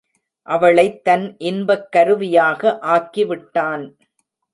அவளைத் தன் இன்பக் கருவியாக ஆக்கி விட்டான்.